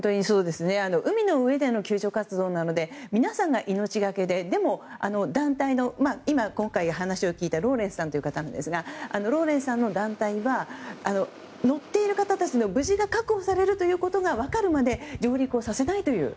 海の上での救助活動なので皆さんが命懸けで今回話を聞いたローレンスさんという方なんですがローレンスさんの団体は乗っている方たちの無事が確保されることが分かるまで上陸をさせないという。